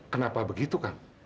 kenapa begitu kang